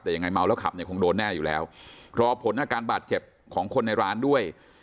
แต่ยังไงเมาแล้วขับเนี่ยคงโดนแน่อยู่แล้วรอผลอาการบาดเจ็บของคนในร้านด้วย